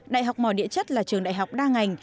đại học mỏ địa chất là trường đại học đa ngành